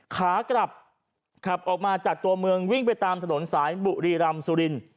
ขากลับขับออกมาจากตัวเมืองวิ่งไปตามถนนสายบุรีรำสุริน